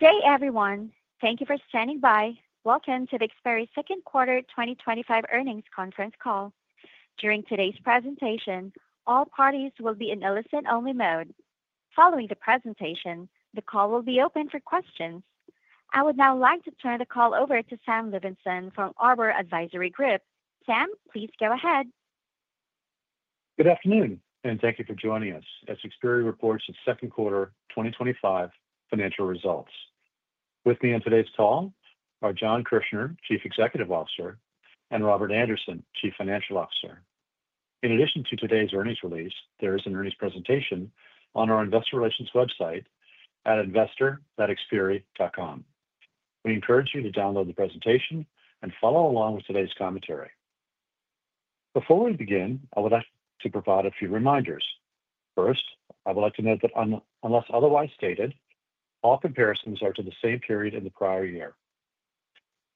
Good day, everyone. Thank you for standing by. Welcome to the Xperi Second Quarter 2025 Earnings Conference Call. During today's presentation, all parties will be in listen-only mode. Following the presentation, the call will be open for questions. I would now like to turn the call over to Sam Levenson from Arbor Advisory Group. Sam, please go ahead. Good afternoon and thank you for joining us as Xperi reports the second quarter 2025 financial results. With me on today's call are Jon Kirchner, Chief Executive Officer, and Robert Andersen, Chief Financial Officer. In addition to today's earnings release, there is an earnings presentation on our investor relations website at investor.xperi.com. We encourage you to download the presentation and follow along with today's commentary. Before we begin, I would like to provide a few reminders. First, I would like to note that unless otherwise stated, all comparisons are to the same period in the prior year.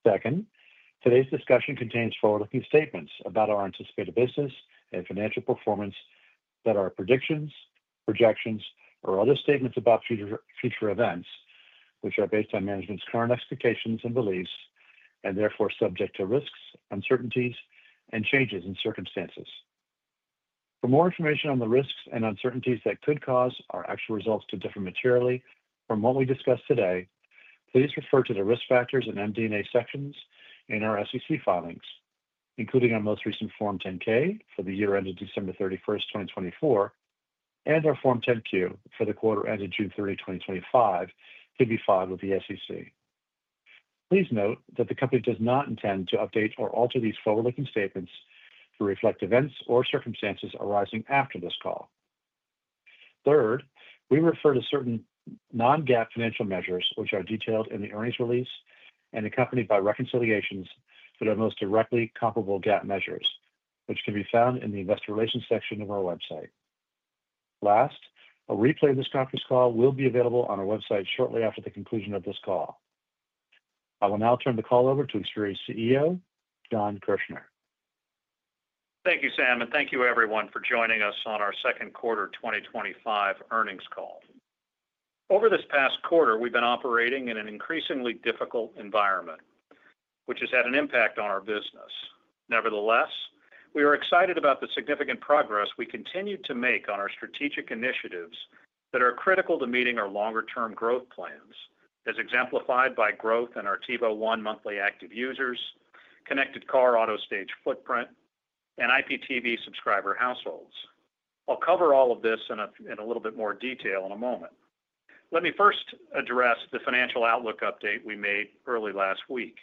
Second, today's discussion contains forward-looking statements about our anticipated business and financial performance, that are predictions, projections, or other statements about future events, which are based on management's current expectations and beliefs, and therefore subject to risks, uncertainties, and changes in circumstances. For more information on the risks and uncertainties that could cause our actual results to differ materially from what we discussed today, please refer to the risk factors and MD&A sections in our SEC filings, including our most recent Form 10-K for the year ended December 31st, 2024, and our Form 10-Q for the quarter ended June 30th, 2025, to be filed with the SEC. Please note that the company does not intend to update or alter these forward-looking statements to reflect events or circumstances arising after this call. Third, we refer to certain non-GAAP financial measures, which are detailed in the earnings release and accompanied by reconciliations to the most directly comparable GAAP measures, which can be found in the investor relations section of our website. Last, a replay of this conference call will be available on our website shortly after the conclusion of this call. I will now turn the call over to Xperi's CEO, Jon Kirchner. Thank you, Sam, and thank you, everyone, for joining us on our second quarter 2025 earnings call. Over this past quarter, we've been operating in an increasingly difficult environment, which has had an impact on our business. Nevertheless, we are excited about the significant progress we continue to make on our strategic initiatives that are critical to meeting our longer-term growth plans, as exemplified by growth in our TiVo One monthly active users, connected car AutoStage footprint, and IPTV subscriber households. I'll cover all of this in a little bit more detail in a moment. Let me first address the financial outlook update we made early last week.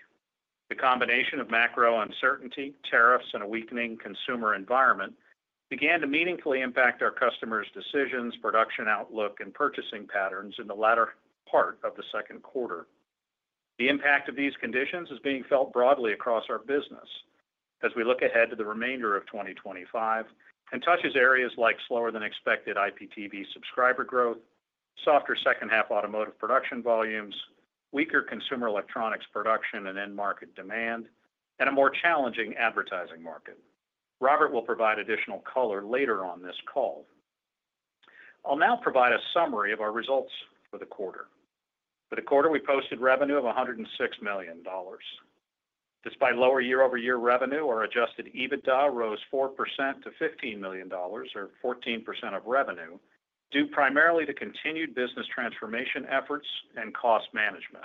The combination of macro uncertainty, tariffs, and a weakening consumer environment began to meaningfully impact our customers' decisions, production outlook, and purchasing patterns in the latter part of the second quarter. The impact of these conditions is being felt broadly across our business as we look ahead to the remainder of 2025 and touches areas like slower-than-expected IPTV subscriber growth, softer second-half automotive production volumes, weaker consumer electronics production and end-market demand, and a more challenging advertising market. Robert will provide additional color later on this call. I'll now provide a summary of our results for the quarter. For the quarter, we posted revenue of $106 million. Despite lower year-over-year revenue, our adjusted EBITDA rose 4% to $15 million, or 14% of revenue, due primarily to continued business transformation efforts and cost management.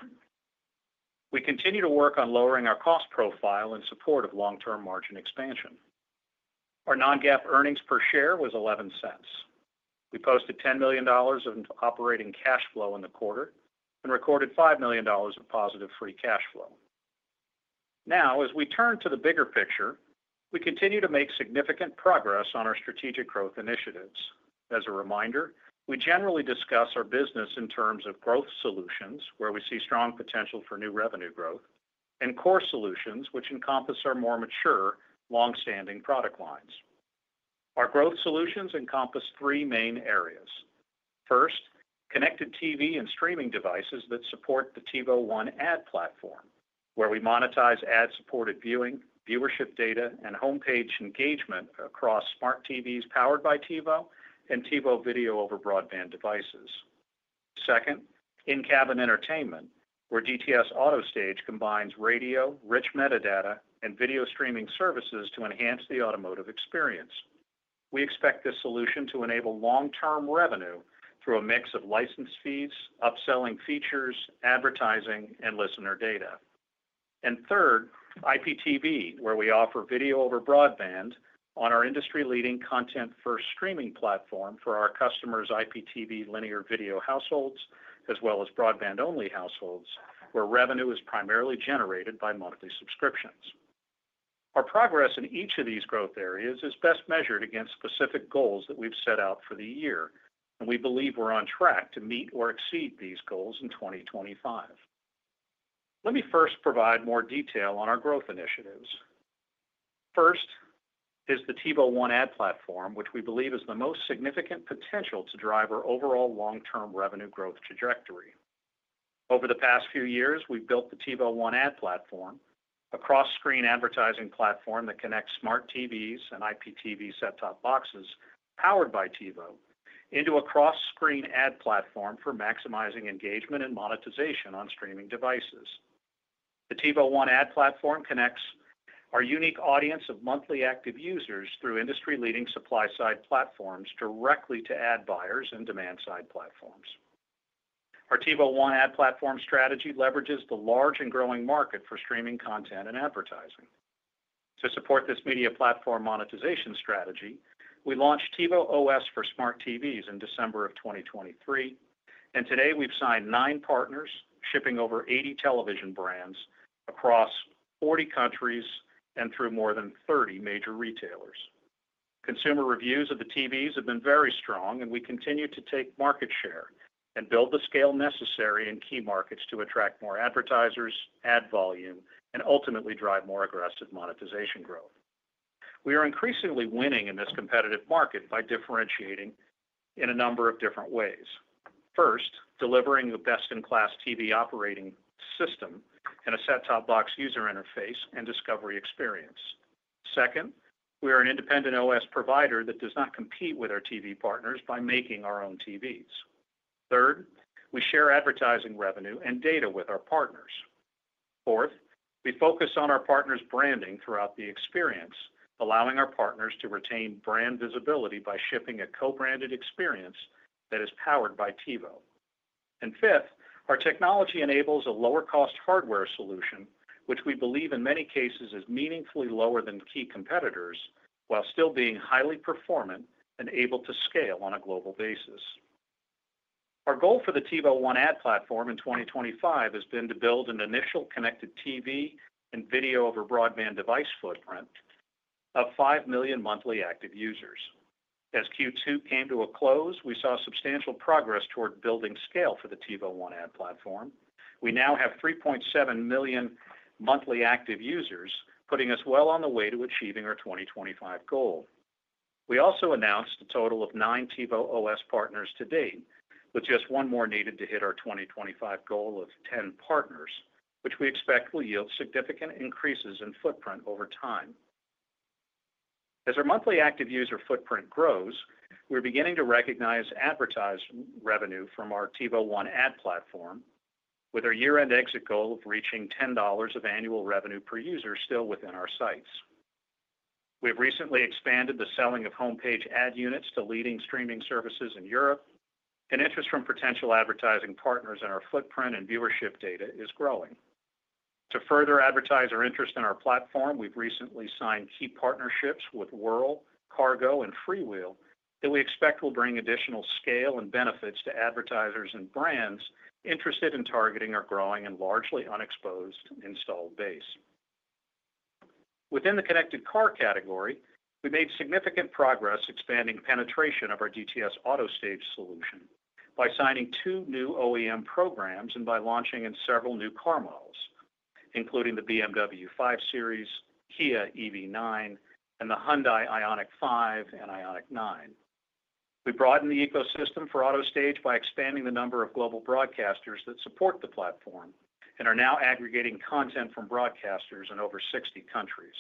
We continue to work on lowering our cost profile in support of long-term margin expansion. Our non-GAAP earnings per share was $0.11. We posted $10 million in operating cash flow in the quarter and recorded $5 million of positive free cash flow. Now, as we turn to the bigger picture, we continue to make significant progress on our strategic growth initiatives. As a reminder, we generally discuss our business in terms of growth solutions, where we see strong potential for new revenue growth, and core solutions, which encompass our more mature, long-standing product lines. Our growth solutions encompass three main areas. First, connected TV and streaming devices that support the TiVo One ad platform, where we monetize ad-supported viewing, viewership data, and homepage engagement across smart TVs powered by TiVo and TiVo video-over-broadband devices. Second, in-cabin entertainment, where DTS AutoStage combines radio, rich metadata, and video streaming services to enhance the automotive experience. We expect this solution to enable long-term revenue through a mix of license fees, upselling features, advertising, and listener data. Third, IPTV, where we offer video over broadband on our industry-leading content-first streaming platform for our customers' IPTV linear video households, as well as broadband-only households, where revenue is primarily generated by monthly subscriptions. Our progress in each of these growth areas is best measured against specific goals that we've set out for the year, and we believe we're on track to meet or exceed these goals in 2025. Let me first provide more detail on our growth initiatives. First is the TiVo One ad platform, which we believe has the most significant potential to drive our overall long-term revenue growth trajectory. Over the past few years, we've built the TiVo One ad platform, a cross-screen advertising platform that connects smart TVs and IPTV set-top boxes powered by TiVo into a cross-screen ad platform for maximizing engagement and monetization on streaming devices. The TiVo One ad platform connects our unique audience of monthly active users through industry-leading supply-side platforms directly to ad buyers and demand-side platforms. Our TiVo One ad platform strategy leverages the large and growing market for streaming content and advertising. To support this media platform monetization strategy, we launched TiVo OS for smart TVs in December 2023, and today we've signed nine partners, shipping over 80 television brands across 40 countries and through more than 30 major retailers. Consumer reviews of the TVs have been very strong, and we continue to take market share and build the scale necessary in key markets to attract more advertisers, add volume, and ultimately drive more aggressive monetization growth. We are increasingly winning in this competitive market by differentiating in a number of different ways. First, delivering the best-in-class TV operating system and a set-top box user interface and discovery experience. Second, we are an independent OS provider that does not compete with our TV partners by making our own TVs. Third, we share advertising revenue and data with our partners. Fourth, we focus on our partners' branding throughout the experience, allowing our partners to retain brand visibility by shipping a co-branded experience that is powered by TiVo. Fifth, our technology enables a lower-cost hardware solution, which we believe in many cases is meaningfully lower than key competitors while still being highly performant and able to scale on a global basis. Our goal for the TiVo One ad platform in 2025 has been to build an initial connected TV and video-over-broadband device footprint of 5 million monthly active users. As Q2 came to a close, we saw substantial progress toward building scale for the TiVo One ad platform. We now have 3.7 million monthly active users, putting us well on the way to achieving our 2025 goal. We also announced a total of nine TiVo OS partners to date, with just one more needed to hit our 2025 goal of 10 partners, which we expect will yield significant increases in footprint over time. As our monthly active user footprint grows, we're beginning to recognize advertising revenue from our TiVo One ad platform, with our year-end exit goal of reaching $10 of annual revenue per user still within our sights. We've recently expanded the selling of homepage ad units to leading streaming services in Europe, and interest from potential advertising partners in our footprint and viewership data is growing. To further advertise our interest in our platform, we've recently signed key partnerships with Whirl, Cargo, and FreeWheel, and we expect we'll bring additional scale and benefits to advertisers and brands interested in targeting our growing and largely unexposed installed base. Within the connected car category, we made significant progress expanding penetration of our DTS AutoStage solution by signing two new OEM programs and by launching in several new car models, including the BMW 5 Series, Kia EV9, and the Hyundai IONIQ 5 and Ioniq 9. We broadened the ecosystem for AutoStage by expanding the number of global broadcasters that support the platform and are now aggregating content from broadcasters in over 60 countries.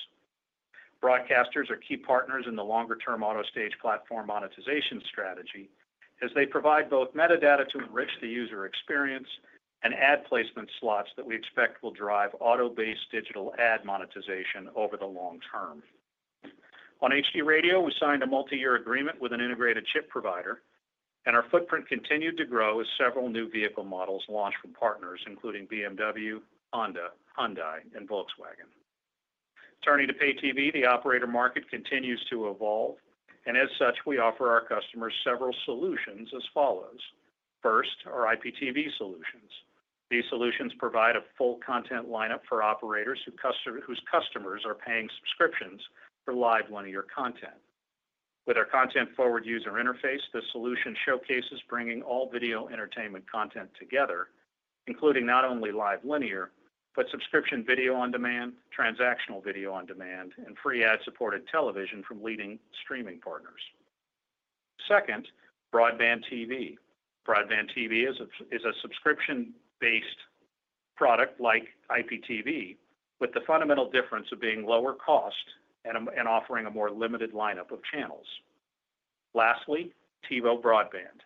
Broadcasters are key partners in the longer-term AutoStage platform monetization strategy, as they provide both metadata to enrich the user experience and ad placement slots that we expect will drive auto-based digital ad monetization over the long term. On HD Radio, we signed a multi-year agreement with an integrated chip provider, and our footprint continued to grow as several new vehicle models launched from partners, including BMW, Honda, Hyundai, and Volkswagen. Turning to pay TV, the operator market continues to evolve, and as such, we offer our customers several solutions as follows. First, our IPTV solutions. These solutions provide a full content lineup for operators whose customers are paying subscriptions for live linear content. With our content forward user interface, this solution showcases bringing all video entertainment content together, including not only live linear, but subscription video on demand, transactional video on demand, and free ad-supported television from leading streaming partners. Second, broadband TV. Broadband TV is a subscription-based product like IPTV, with the fundamental difference of being lower cost and offering a more limited lineup of channels. Lastly, TiVo Broadband.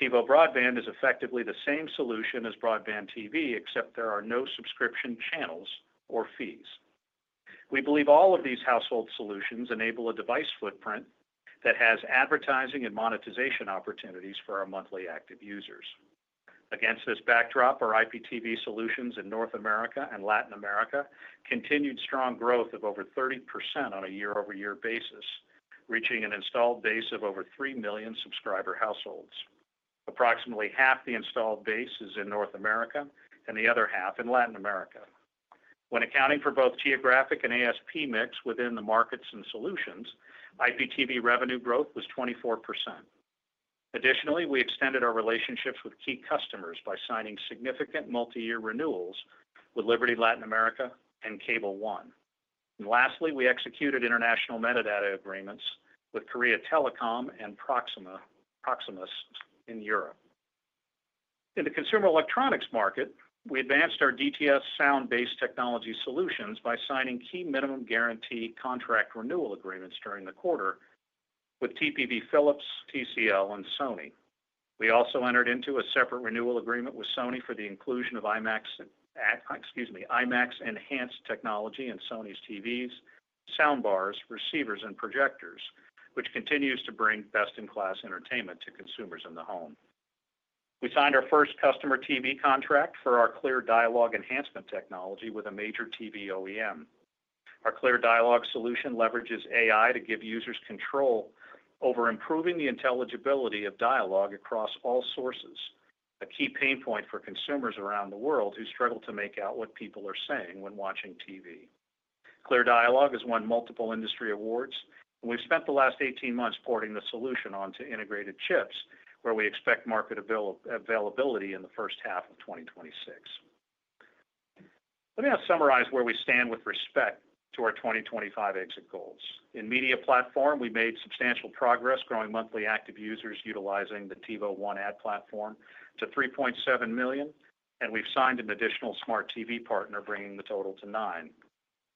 TiVo Broadband is effectively the same solution as broadband TV, except there are no subscription channels or fees. We believe all of these household solutions enable a device footprint that has advertising and monetization opportunities for our monthly active users. Against this backdrop, our IPTV solutions in North America and Latin America continued strong growth of over 30% on a year-over-year basis, reaching an installed base of over 3 million subscriber households. Approximately half the installed base is in North America, and the other half in Latin America. When accounting for both geographic and ASP mix within the markets and solutions, IPTV revenue growth was 24%. Additionally, we extended our relationships with key customers by signing significant multi-year renewals with Liberty Latin America and Cable One. Lastly, we executed international metadata agreements with Korea Telecom and Proximus in Europe. In the consumer electronics market, we advanced our DTS sound-based technology solutions by signing key minimum guarantee contract renewal agreements during the quarter with TPV, Philips, TCL, and Sony. We also entered into a separate renewal agreement with Sony for the inclusion of IMAX Enhanced technology in Sony's TVs, soundbars, receivers, and projectors, which continues to bring best-in-class entertainment to consumers in the home. We signed our first customer TV contract for our Clear Dialogue enhancement technology with a major TV OEM. Our Clear Dialogue solution leverages AI to give users control over improving the intelligibility of dialogue across all sources, a key pain point for consumers around the world who struggle to make out what people are saying when watching TV. Clear Dialogue has won multiple industry awards, and we've spent the last 18 months porting the solution onto integrated chips, where we expect market availability in the first half of 2026. Let me now summarize where we stand with respect to our 2025 exit goals. In media platform, we made substantial progress, growing monthly active users utilizing the TiVo One ad platform to 3.7 million, and we've signed an additional smart TV partner, bringing the total to nine.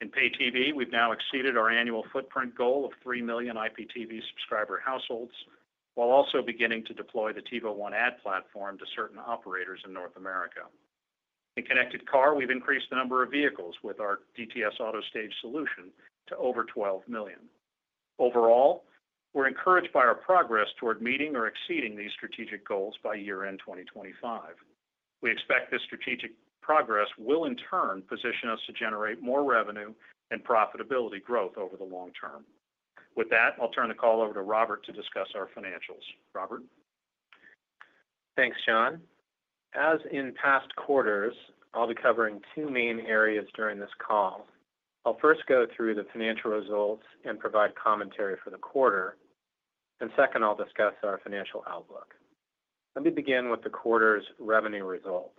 In pay TV, we've now exceeded our annual footprint goal of 3 million IPTV subscriber households, while also beginning to deploy the TiVo One ad platform to certain operators in North America. In connected car, we've increased the number of vehicles with our DTS AutoStage solution to over 12 million. Overall, we're encouraged by our progress toward meeting or exceeding these strategic goals by year-end 2025. We expect this strategic progress will in turn position us to generate more revenue and profitability growth over the long term. With that, I'll turn the call over to Robert to discuss our financials. Robert? Thanks, Jon. As in past quarters, I'll be covering two main areas during this call. I'll first go through the financial results and provide commentary for the quarter, and second, I'll discuss our financial outlook. Let me begin with the quarter's revenue results.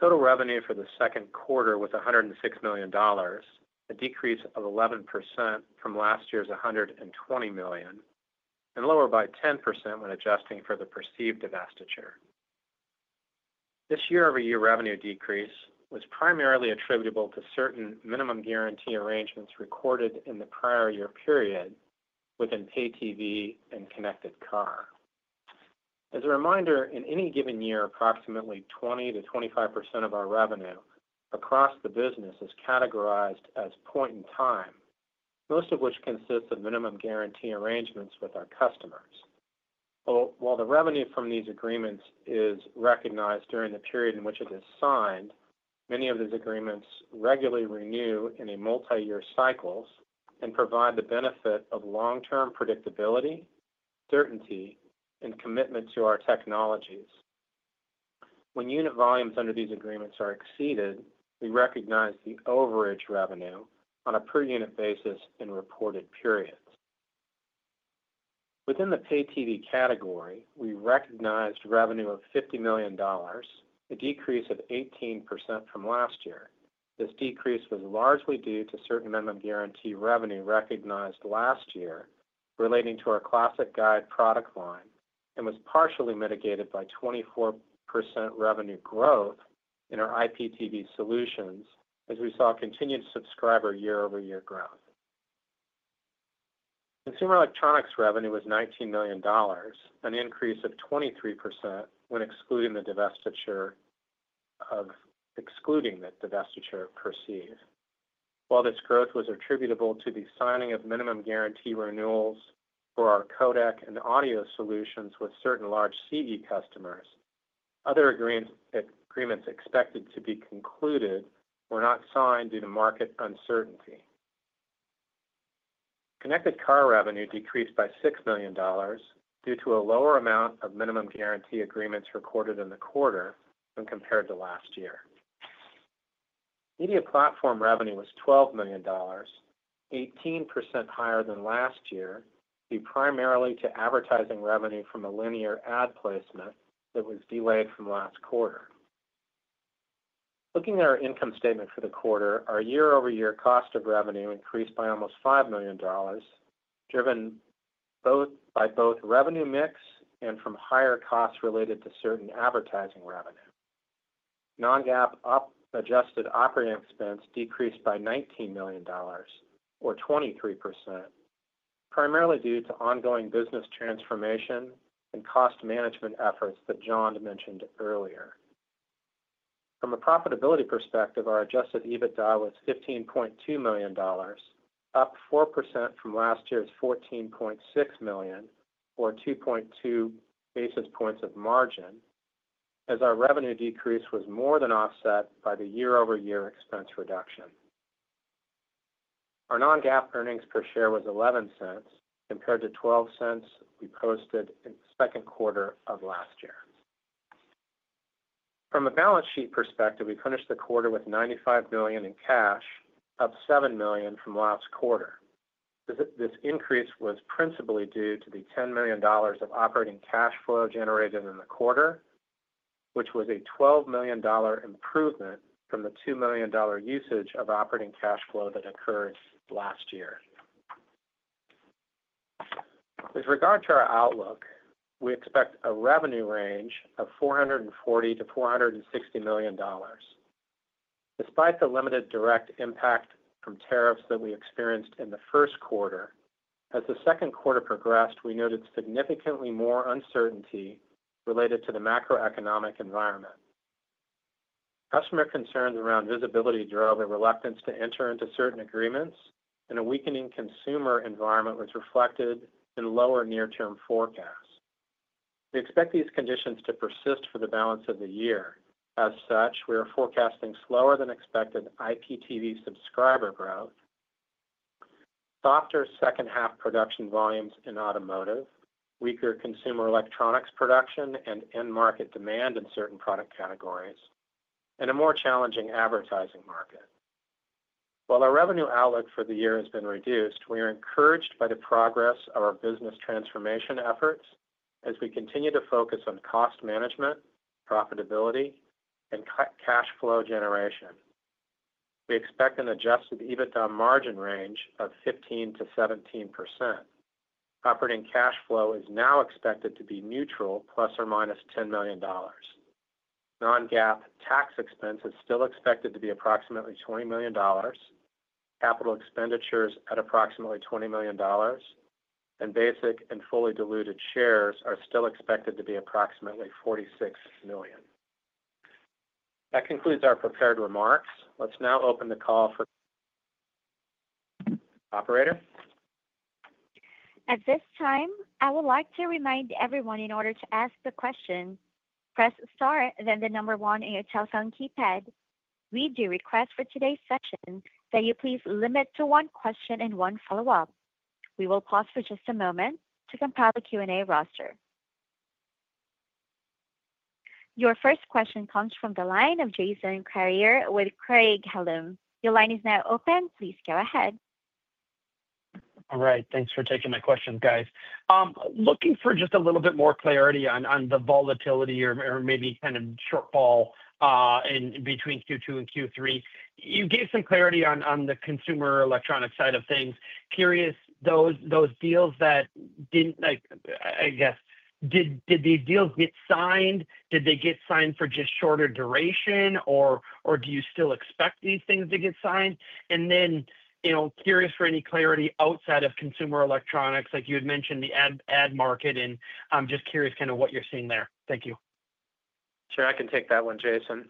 Total revenue for the second quarter was $106 million, a decrease of 11% from last year's $120 million, and lower by 10% when adjusting for the perceived divestiture. This year-over-year revenue decrease was primarily attributable to certain minimum guarantee arrangements recorded in the prior year period within pay TV and connected car. As a reminder, in any given year, approximately 20%-25% of our revenue across the business is categorized as point in time, most of which consists of minimum guarantee arrangements with our customers. While the revenue from these agreements is recognized during the period in which it is signed, many of these agreements regularly renew in a multi-year cycle and provide the benefit of long-term predictability, certainty, and commitment to our technologies. When unit volumes under these agreements are exceeded, we recognize the overage revenue on a per-unit basis in reported periods. Within the pay TV category, we recognized revenue of $50 million, a decrease of 18% from last year. This decrease was largely due to certain minimum guarantee revenue recognized last year relating to our classic guide product line and was partially mitigated by 24% revenue growth in our IPTV solutions, as we saw continued subscriber year-over-year growth. Consumer electronics revenue was $19 million, an increase of 23% when excluding the divestiture. While this growth was attributable to the signing of minimum guarantee renewals for our codec and audio solutions with certain large CE customers, other agreements expected to be concluded were not signed due to market uncertainty. Connected car revenue decreased by $6 million due to a lower amount of minimum guarantee agreements recorded in the quarter when compared to last year. Media platform revenue was $12 million, 18% higher than last year, due primarily to advertising revenue from a linear ad placement that was delayed from last quarter. Looking at our income statement for the quarter, our year-over-year cost of revenue increased by almost $5 million, driven by both revenue mix and from higher costs related to certain advertising revenue. Non-GAAP adjusted operating expense decreased by $19 million, or 23%, primarily due to ongoing business transformation and cost management efforts that Jon mentioned earlier. From a profitability perspective, our adjusted EBITDA was $15.2 million, up 4% from last year's $14.6 million, or 2.2 basis points of margin, as our revenue decrease was more than offset by the year-over-year expense reduction. Our non-GAAP earnings per share was $0.11 compared to $0.12 we posted in the second quarter of last year. From a balance sheet perspective, we finished the quarter with $95 million in cash, up $7 million from last quarter. This increase was principally due to the $10 million of operating cash flow generated in the quarter, which was a $12 million improvement from the $2 million usage of operating cash flow that occurred last year. With regard to our outlook, we expect a revenue range of $440 million-$460 million. Despite the limited direct impact from tariffs that we experienced in the first quarter, as the second quarter progressed, we noted significantly more uncertainty related to the macroeconomic environment. Customer concerns around visibility drove a reluctance to enter into certain agreements, and a weakening consumer environment was reflected in lower near-term forecasts. We expect these conditions to persist for the balance of the year. As such, we are forecasting slower than expected IPTV subscriber growth, softer second-half production volumes in automotive, weaker consumer electronics production, and end-market demand in certain product categories, and a more challenging advertising market. While our revenue outlook for the year has been reduced, we are encouraged by the progress of our business transformation efforts as we continue to focus on cost management, profitability, and cash flow generation. We expect an adjusted EBITDA margin range of 15%-17%. Operating cash flow is now expected to be neutral, ±$10 million. Non-GAAP tax expense is still expected to be approximately $20 million. Capital expenditures at approximately $20 million, and basic and fully diluted shares are still expected to be approximately $46 million. That concludes our prepared remarks. Let's now open the call for operator. At this time, I would like to remind everyone, in order to ask the question, press star then the number one on your telephone keypad. We do request for today's session that you please limit to one question and one follow-up. We will pause for just a moment to compile the Q&A roster. Your first question comes from the line of Jason Kreyer with Craig-Hallum. Your line is now open. Please go ahead. All right. Thanks for taking my questions, guys. I'm looking for just a little bit more clarity on the volatility or maybe kind of shortfall in between Q2 and Q3. You gave some clarity on the consumer electronics side of things. Curious, those deals that didn't, like, I guess, did these deals get signed? Did they get signed for just shorter duration? Or do you still expect these things to get signed? You know, curious for any clarity outside of consumer electronics, like you had mentioned the ad market, and I'm just curious kind of what you're seeing there. Thank you. Sure. I can take that one, Jason.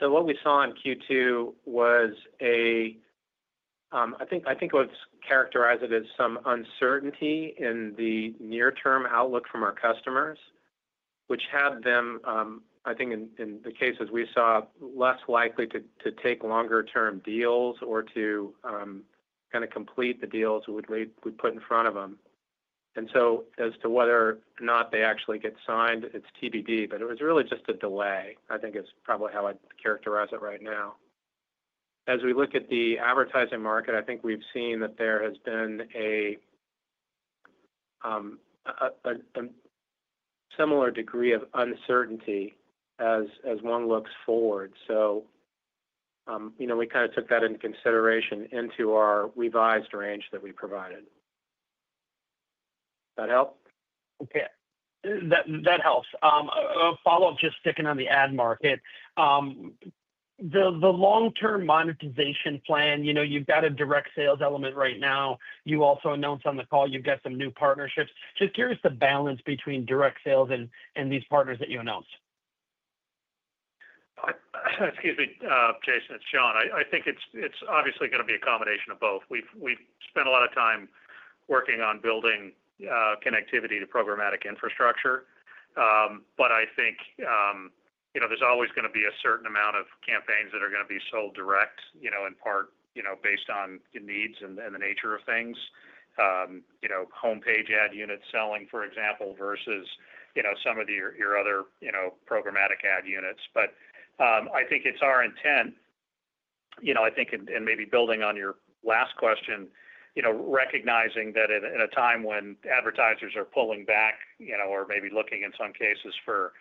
What we saw in Q2 was, I think I would characterize it as some uncertainty in the near-term outlook from our customers, which had them, in the cases we saw, less likely to take longer-term deals or to kind of complete the deals we put in front of them. As to whether or not they actually get signed, it's TBD, but it was really just a delay, I think is probably how I'd characterize it right now. As we look at the advertising market, I think we've seen that there has been a similar degree of uncertainty as one looks forward. We kind of took that into consideration into our revised range that we provided. That help? Okay. That helps. A follow-up, just sticking on the ad market. The long-term monetization plan, you know, you've got a direct sales element right now. You also announced on the call you've got some new partnerships. Just curious the balance between direct sales and these partners that you announced. Excuse me, Jason. It's Jon. I think it's obviously going to be a combination of both. We've spent a lot of time working on building connectivity to programmatic infrastructure. I think there's always going to be a certain amount of campaigns that are going to be sold direct, in part based on the needs and the nature of things. Homepage ad unit selling, for example, versus some of your other programmatic ad units. I think it's our intent, and maybe building on your last question, recognizing that in a time when advertisers are pulling back or maybe looking in some cases for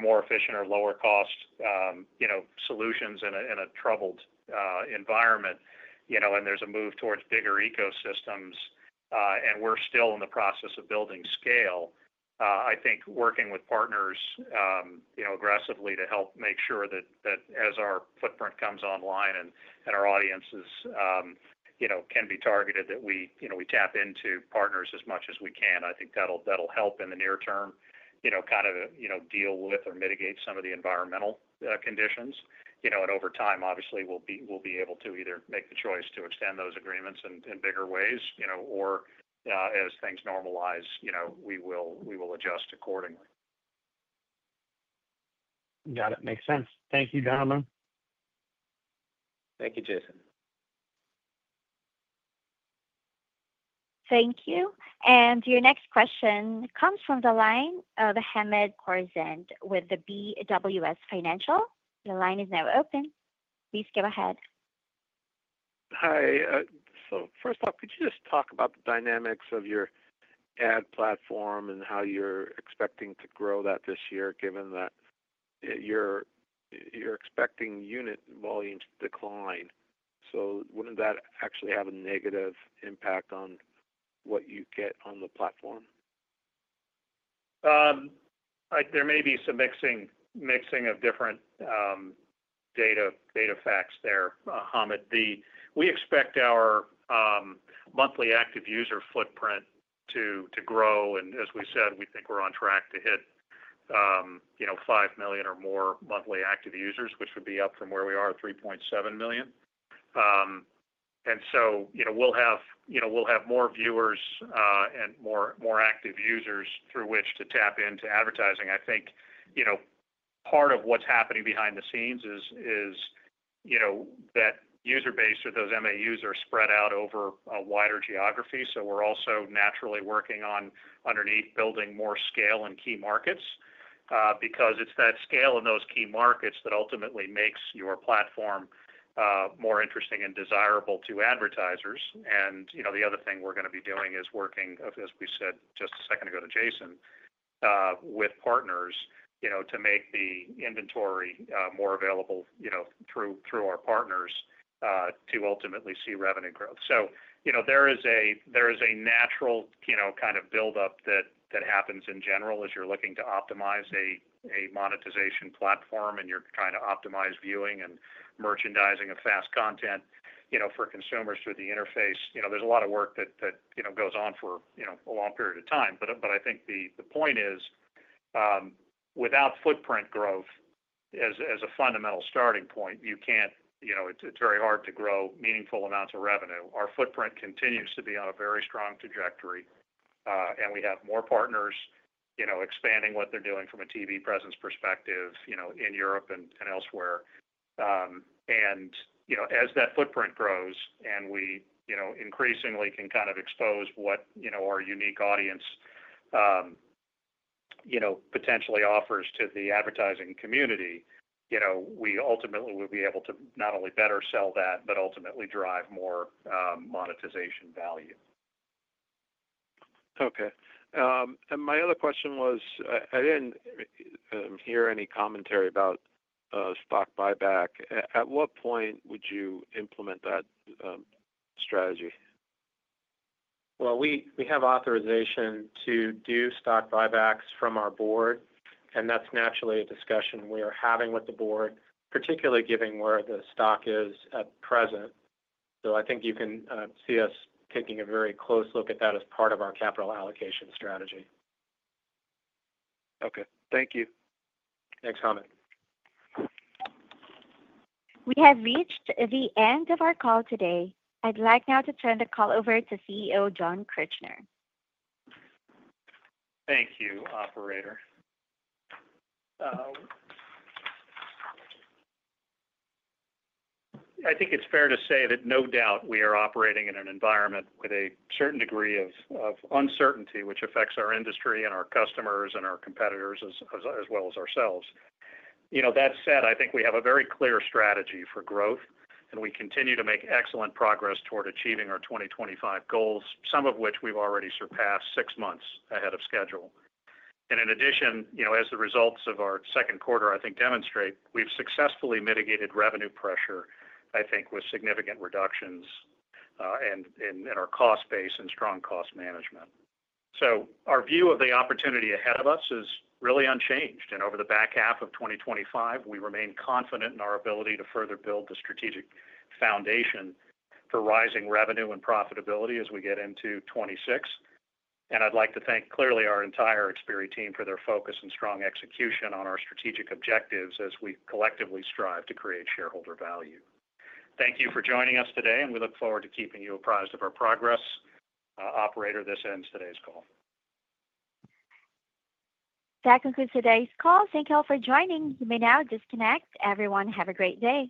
more efficient or lower-cost solutions in a troubled environment, and there's a move towards bigger ecosystems, and we're still in the process of building scale, I think working with partners aggressively to help make sure that as our footprint comes online and our audiences can be targeted, that we tap into partners as much as we can. I think that'll help in the near term, kind of deal with or mitigate some of the environmental conditions. Over time, obviously, we'll be able to either make the choice to extend those agreements in bigger ways, or as things normalize, we will adjust accordingly. Got it. Makes sense. Thank you, gentlemen. Thank you, Jason. Thank you. Your next question comes from the line of Hamed Khorsand with BWS Financial. Your line is now open. Please go ahead. Hi. First off, could you just talk about the dynamics of your ad platform and how you're expecting to grow that this year, given that you're expecting unit volumes to decline? Wouldn't that actually have a negative impact on what you get on the platform? There may be some mixing of different data facts there, Hamed. We expect our monthly active user footprint to grow. As we said, we think we're on track to hit, you know, 5 million or more monthly active users, which would be up from where we are at 3.7 million. We'll have more viewers and more active users through which to tap into advertising. I think part of what's happening behind the scenes is that user base or those MAUs are spread out over a wider geography. We're also naturally working on underneath building more scale in key markets because it's that scale in those key markets that ultimately makes your platform more interesting and desirable to advertisers. The other thing we're going to be doing is working, as we said just a second ago to Jason, with partners to make the inventory more available through our partners to ultimately see revenue growth. There is a natural kind of build-up that happens in general as you're looking to optimize a monetization platform and you're trying to optimize viewing and merchandising of FAST content for consumers through the interface. There's a lot of work that goes on for a long period of time. I think the point is, without footprint growth as a fundamental starting point, you can't, you know, it's very hard to grow meaningful amounts of revenue. Our footprint continues to be on a very strong trajectory, and we have more partners expanding what they're doing from a TV presence perspective in Europe and elsewhere. As that footprint grows and we increasingly can kind of expose what our unique audience potentially offers to the advertising community, we ultimately will be able to not only better sell that, but ultimately drive more monetization value. Okay. My other question was, I didn't hear any commentary about share buybacks. At what point would you implement that strategy? We have authorization to do share buybacks from our board, and that's naturally a discussion we are having with the board, particularly given where the stock is at present. I think you can see us taking a very close look at that as part of our capital allocation strategy. Okay, thank you. Thanks, Hamed. We have reached the end of our call today. I'd like now to turn the call over to CEO Jon Kirchner. Thank you, operator. I think it's fair to say that no doubt we are operating in an environment with a certain degree of uncertainty, which affects our industry and our customers and our competitors as well as ourselves. That said, I think we have a very clear strategy for growth, and we continue to make excellent progress toward achieving our 2025 goals, some of which we've already surpassed six months ahead of schedule. In addition, as the results of our second quarter, I think, demonstrate, we've successfully mitigated revenue pressure with significant reductions in our cost base and strong cost management. Our view of the opportunity ahead of us is really unchanged. Over the back half of 2025, we remain confident in our ability to further build the strategic foundation for rising revenue and profitability as we get into 2026. I'd like to thank clearly our entire Xperi team for their focus and strong execution on our strategic objectives as we collectively strive to create shareholder value. Thank you for joining us today, and we look forward to keeping you apprised of our progress. Operator, this ends today's call. That concludes today's call. Thank you all for joining. You may now disconnect. Everyone, have a great day.